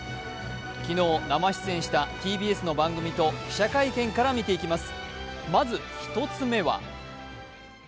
昨日、生出演したＴＢＳの番組と記者会見から見ていきます。